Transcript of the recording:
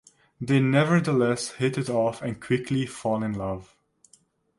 They nevertheless hit it off and quickly fall in love.